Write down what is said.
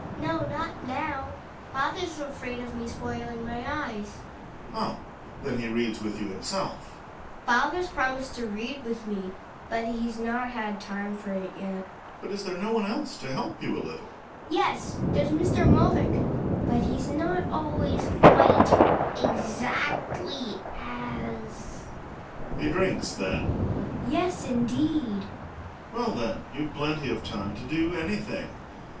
No, not now; father's afraid of me spoiling my eyes. Gregers. Oh ! then he reads with you himself. Hedvig. Father's promised to read with me, but he's not had time for it yet. Gregers. But is there no one else to help you a little ? Hedvig. Yes, there's Mr. Molvik; but he not always quite — exactly — as Gregers. He drinks then ? Hedvig, Yes, indeed. GREGKFtS. Well, then you've plenty of time to do anything.